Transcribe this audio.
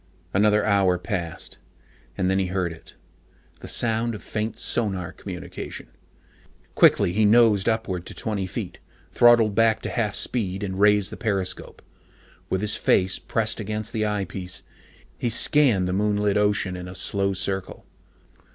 Another hour had passed. And then he heard it. The sound of faint sonar communication. Quickly he nosed upward to twenty feet, throttled back to half speed, and raised the periscope. With his face pressed against the eyepiece, he scanned the moonlit ocean in a slow circle.